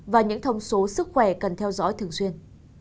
và những thông số sức khỏe cần theo dõi thường xuyên